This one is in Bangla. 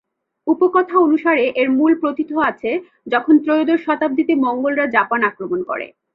উপকথা অনুসারে এর মূল প্রোথিত আছে, যখন ত্রয়োদশ শতাব্দীতে মঙ্গোলরা জাপান আক্রমণ করে।